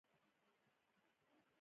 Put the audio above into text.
آیا زرغونې ساحې ډیرې شوي؟